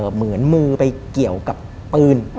เหมือนมือไปเกี่ยวกับปืน